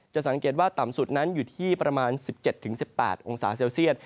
สังเกตว่าต่ำสุดนั้นอยู่ที่ประมาณ๑๗๑๘องศาเซลเซียต